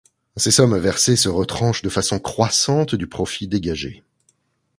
Ces sommes versées se retranchent de façon croissante du profit dégagé.